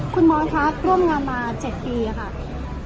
คุณมอสครับร่วมงานมา๗ปีค่ะ